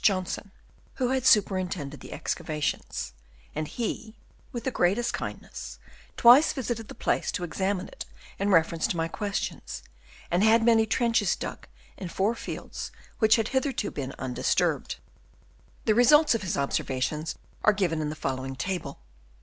Johnson, who had superintended the excavations ; and he, with the greatest kindness, twice visited the place to examine it in reference to my ques tions, and had many trenches dug in four fields which had hitherto been undisturbed. The results of his observations are given in the following Table.